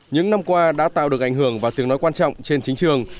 những năm qua đã tạo được ảnh hưởng và tiếng nói quan trọng trên chính trường